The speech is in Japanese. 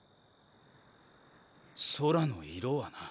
空の色はな。